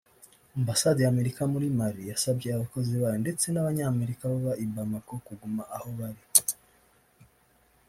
Ambasade ya Amerika muri Mali yasabye abakozi bayo ndetse n’Abanyamerika baba i Bamako kuguma aho bari